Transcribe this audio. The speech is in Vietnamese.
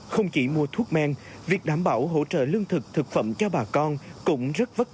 không chỉ mua thuốc men việc đảm bảo hỗ trợ lương thực thực phẩm cho bà con cũng rất vất vả